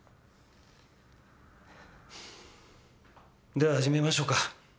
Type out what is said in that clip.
では始めましょうか。